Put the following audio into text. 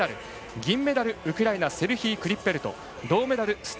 銀メダル、ウクライナセルヒー・クリッペルト。